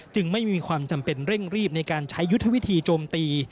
ไม่มีความจำเป็นเร่งรีบในการใช้ยุทธวิธีโจมตี